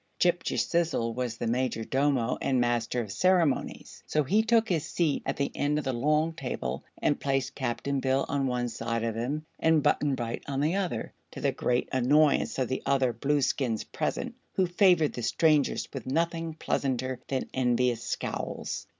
Ghip Ghisizzle was the Majordomo and Master of Ceremonies, so he took his seat at the end of the long table and placed Cap'n Bill on one side of him and Button Bright on the other, to the great annoyance of the other Blueskins present, who favored the strangers with nothing pleasanter than envious scowls.